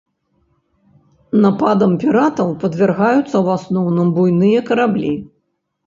Нападам піратаў падвяргаюцца ў асноўным буйныя караблі.